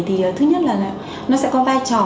thì thứ nhất là nó sẽ có vai trò